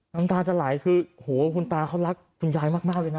น้ำตาจะไหลคือโหคุณตาเขารักคุณยายมากเลยนะ